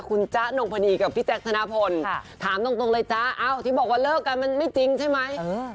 คุณจ๊ะนงพนีกับพี่แจ๊คธนพลถามตรงเลยจ๊ะที่บอกว่าเลิกกันมันไม่จริงใช่ไหม